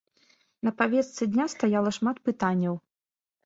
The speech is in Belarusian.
На павестцы дня стаяла шмат пытанняў.